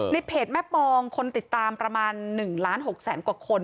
ในเพจแม่ปองคนติดตามประมาณ๑ล้าน๖แสนกว่าคน